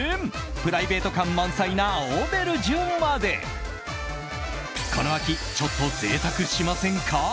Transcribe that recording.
プライベート感満載なオーベルジュまでこの秋、ちょっと贅沢しませんか？